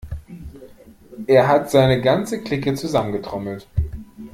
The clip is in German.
Er hat seine ganze Clique zusammengetrommelt.